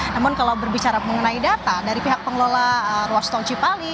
namun kalau berbicara mengenai data dari pihak pengelola ruas tol cipali